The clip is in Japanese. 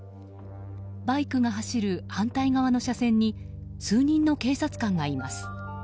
バイクが走る反対側の車線に数人の警察官がいます。